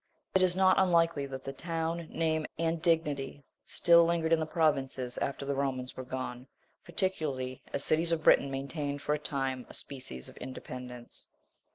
It is not unlikely that the town, name, and dignity, still lingered in the provinces after the Romans were gone, particularly as the cities of Britain maintained for a time a species of independence.